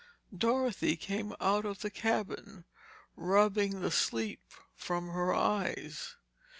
Dorothy came out of the cabin rubbing the sleep from her eyes.